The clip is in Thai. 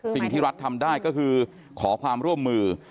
สิ่งที่รัฐทำได้ก็คือขอความร่วมมือ